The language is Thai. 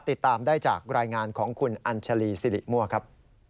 ติดตามได้จากรายงานของคุณอัญชาลีสิริมั่วครับ